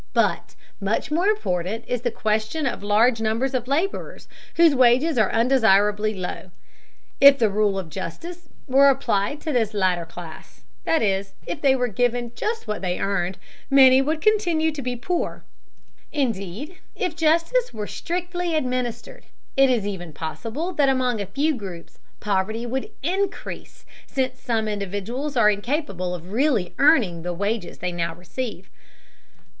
But much more important is the question of large numbers of laborers whose wages are undesirably low. If the rule of justice were applied to this latter class, that is, if they were given just what they earned, many would continue to be poor. Indeed, if justice were strictly administered, it is even possible that among a few groups poverty would increase, since some individuals are incapable of really earning the wages they now receive.